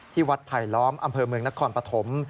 วัดไผลล้อมอำเภอเมืองนครปฐม